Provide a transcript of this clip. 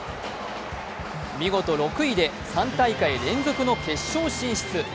見事６位で３大会連続の決勝進出。